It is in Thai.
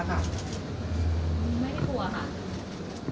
ไม่ได้กลัวค่ะ